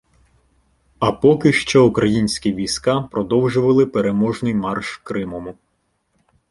А поки що українські війська продовжували переможний марш Кримом.